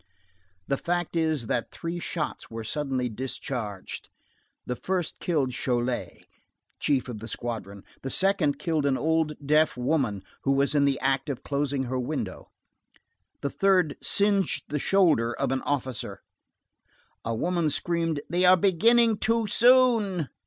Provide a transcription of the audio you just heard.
The fact is, that three shots were suddenly discharged: the first killed Cholet, chief of the squadron, the second killed an old deaf woman who was in the act of closing her window, the third singed the shoulder of an officer; a woman screamed: "They are beginning too soon!"